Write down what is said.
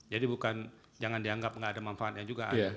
jadi bukan jangan dianggap enggak ada manfaatnya juga